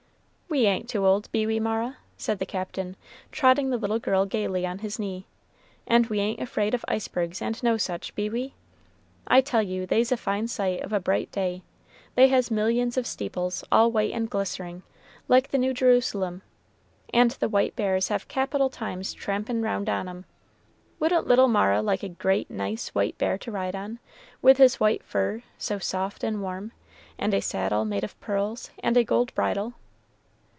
"We ain't too old, be we, Mara?" said the Captain, trotting the little girl gayly on his knee; "and we ain't afraid of icebergs and no sich, be we? I tell you they's a fine sight of a bright day; they has millions of steeples, all white and glistering, like the New Jerusalem, and the white bears have capital times trampin' round on 'em. Wouldn't little Mara like a great, nice white bear to ride on, with his white fur, so soft and warm, and a saddle made of pearls, and a gold bridle?"